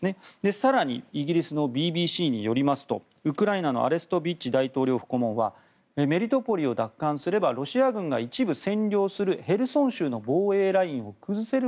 更にイギリスのＢＢＣによりますとウクライナのアレストビッチ大統領府顧問はメリトポリを奪還すればロシア軍が一部占領するヘルソン州の防衛ラインを崩せる